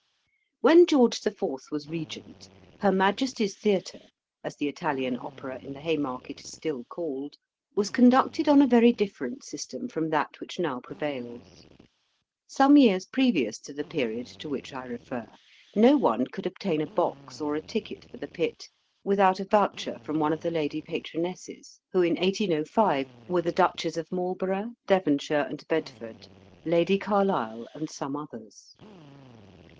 When George the Fourth was Regent, Her Majesty's Theatre, as the Italian Opera in the Haymarket is still called, was conducted on a very different system from that which now prevails. Some years previous to the period to which I refer, no one could obtain a box or a ticket for the pit without a voucher from one of the lady patronesses; who, in 1805, were the Duchesses of Marlborough, Devonshire, and Bedford, Lady Carlisle, and some others.